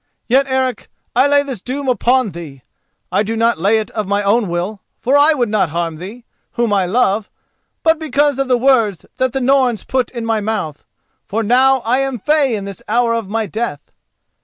Yet, Eric, I lay this doom upon thee—I do not lay it of my own will, for I would not harm thee, whom I love, but because of the words that the Norns put in my mouth, for now I am fey in this the hour of my death.